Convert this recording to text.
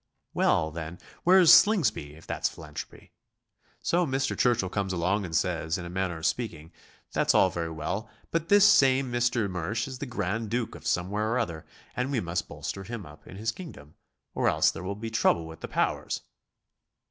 Well, then, where's Slingsby, if that's philanthropy? So Mr. Churchill comes along and says, in a manner of speaking, "That's all very well, but this same Mr. Mersch is the grand duke of somewhere or other, and we must bolster him up in his kingdom, or else there will be trouble with the powers."